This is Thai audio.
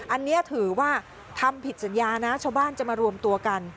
อันนี้ถือว่าทำผิดสัญญานะชาวบ้านจะมารวมตัวกัน